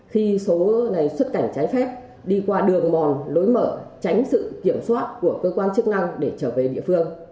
khi số này xuất cảnh trái phép đi qua đường mòn lối mở tránh sự kiểm soát của cơ quan chức năng để trở về địa phương